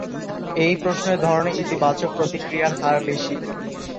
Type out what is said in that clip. এই প্রশ্নের ধরনে ইতিবাচক প্রতিক্রিয়ার হার বেশি।